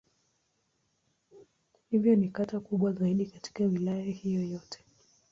Hivyo ni kata kubwa zaidi katika Wilaya hiyo yote.